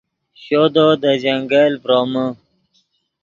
شودو دے جنگل ڤرومے